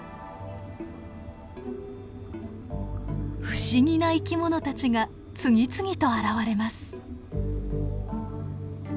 不思議な生き物たちが次々と現れます。